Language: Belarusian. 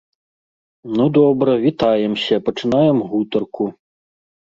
Ну добра, вітаемся, пачынаем гутарку.